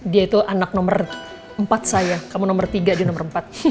dia itu anak nomor empat saya kamu nomor tiga dia nomor empat